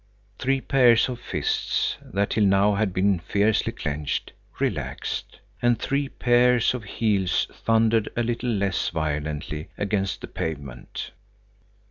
Three pairs of fists that till now had been fiercely clenched, relaxed, and three pairs of heels thundered a little less violently against the pavement.